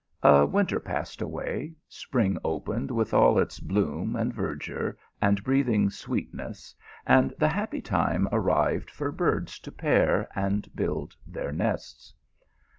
A winter passed away, spring opened with all its bloom, and verdure, and breathing sweetness, and the happy time arrived for birds to pair and build their nests.